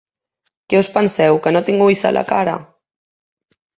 Que us penseu que no tinc ulls a la cara?